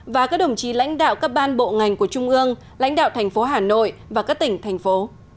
và các đồng chí lãnh đạo các ban bộ ngành của trung ương lãnh đạo thành phố hà nội và các tỉnh thành phố